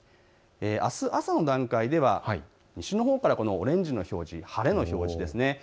あすの朝の段階では、西のほうからオレンジの表示、晴れの表示ですね。